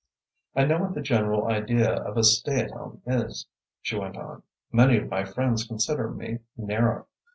I know what the general idea of a stay at home is," she went on. "Many of my friends consider me narrow.